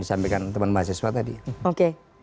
disampaikan teman teman mas sasot tadi oke